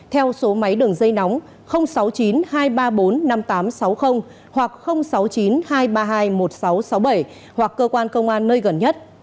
theo số máy đường dây nóng sáu mươi chín hai trăm ba mươi bốn năm nghìn tám trăm sáu mươi hoặc sáu mươi chín hai trăm ba mươi hai một nghìn sáu trăm sáu mươi bảy hoặc cơ quan công an nơi gần nhất